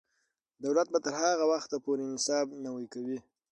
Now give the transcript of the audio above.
دولت به تر هغه وخته پورې نصاب نوی کوي.